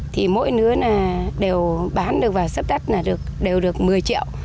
thì mỗi lứa đều bán được và sắp đắt đều được một mươi triệu